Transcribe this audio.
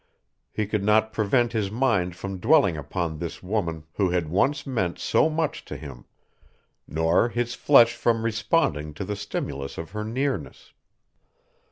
He could not prevent his mind from dwelling upon this woman who had once meant so much to him, nor his flesh from responding to the stimulus of her nearness.